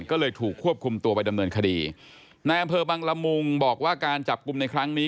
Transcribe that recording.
ก็เลยถูกควบคุมตัวไปดำเนินคดีนายอำเภอบังละมุงบอกว่าการจับกลุ่มในครั้งนี้